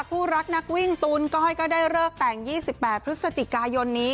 ผู้รักนักวิ่งตูนก้อยก็ได้เลิกแต่ง๒๘พฤศจิกายนนี้